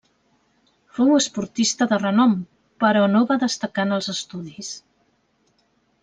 Fou esportista de renom però no va destacar en els estudis.